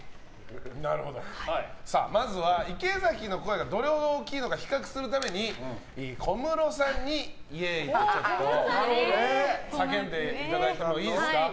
まずは池崎の声がどれほど大きいのか比較するために、小室さんにイエーイ！を叫んでいただいてもいいですか。